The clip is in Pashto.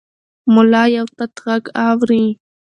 ملا یو تت غږ اوري.